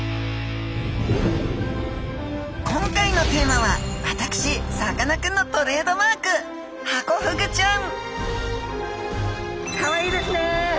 今回のテーマは私さかなクンのトレードマークハコフグちゃん！